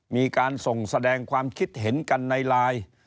มีการส่งแสดงความคิดเห็นกันในไลน์